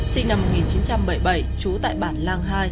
sinh năm một nghìn chín trăm bảy mươi bảy trú tại bản lang hai